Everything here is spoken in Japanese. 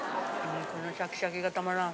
このシャキシャキがたまらん。